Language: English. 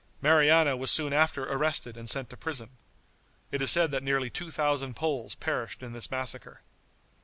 Mariana was soon after arrested and sent to prison. It is said that nearly two thousand Poles perished in this massacre.